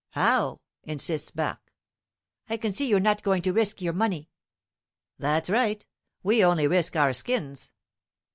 "How?" insists Barque. "I can see you're not going to risk your money!" "That's right we only risk our skins."